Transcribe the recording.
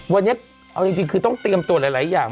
วันนี้เอาจริงคือต้องเตรียมตัวหลายอย่าง